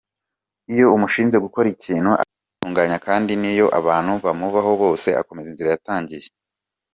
Iyo umushinze gukora ikintu aragitunganya kandi niyo abantu bamuvaho bose akomeza inzira yatangiye.